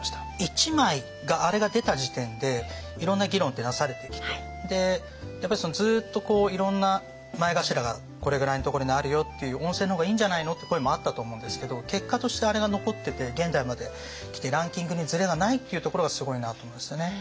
１枚あれが出た時点でいろんな議論ってなされてきてやっぱりずっといろんな前頭がこれぐらいのところにあるよっていう温泉の方がいいんじゃないのって声もあったと思うんですけど結果としてあれが残ってて現代まで来てランキングにずれがないっていうところがすごいなと思いますよね。